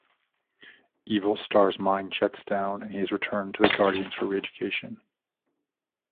Evil Star's mind shuts down, and he is returned to the Guardians for re-education.